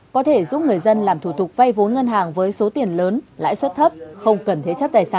có thể giúp người dân làm thủ tục vay vốn ngân hàng với số tiền lớn lãi suất thấp không cần thiếu